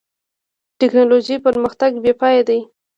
د ټکنالوجۍ پرمختګ بېپای دی.